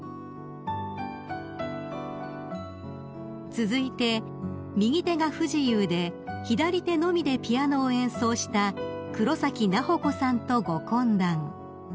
［続いて右手が不自由で左手のみでピアノを演奏した黒崎菜保子さんとご懇談］